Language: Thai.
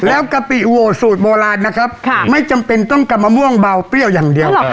แล้วกะปิโวสูตรโบราณนะครับไม่จำเป็นต้องกำมะม่วงเบาเปรี้ยวอย่างเดียว